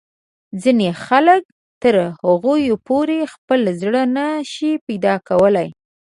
ځینې خلک تر هغو پورې خپل زړه نه شي پیدا کولای.